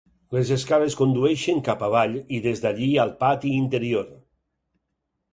Les escales condueixen cap avall i des d'allí al pati interior.